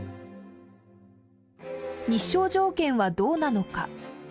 日照条件はどうなのか。